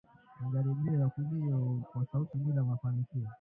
Majaribio ya kulia kwa sauti bila mafanikio